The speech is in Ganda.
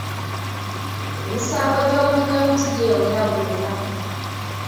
Emisango gy'obuli bw'enguzi gyeyongera buli lunaku.